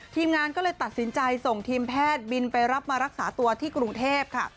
ทีมงานก็เลยตัดสินใจส่งทีมแพทย์บินไปรับมารักษาตัวที่กรุงเทพค่ะ